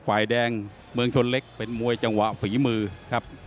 ฝ่ายแดงเมืองชนเล็กเป็นมวยจังหวะฝีมือครับ